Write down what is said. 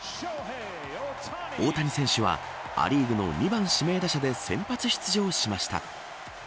大谷選手はア・リーグの２番指名打者で先発出場しました。